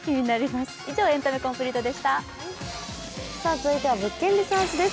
続いては「物件リサーチ」です。